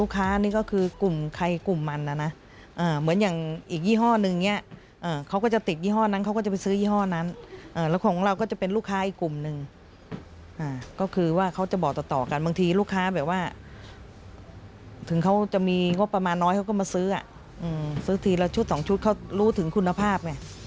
ซื้อทีละชุดสองชุดเขารู้ถึงคุณภาพ